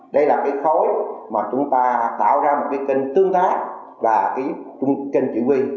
đây là cái khối mà chúng ta tạo ra một cái kênh tương tác và kênh chỉ huy